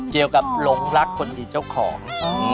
เกี่ยวกับหลงรักคนมีเจ้าของ